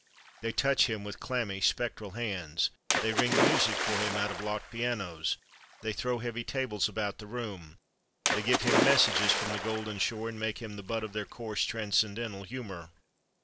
They touch him with clammy, spectral hands; they wring music for him out of locked pianos; they throw heavy tables about the room; they give him messages from the golden shore and make him the butt of their coarse, transcendental humor.